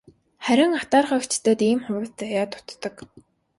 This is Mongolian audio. Харин атаархагчдад ийм хувь заяа дутдаг.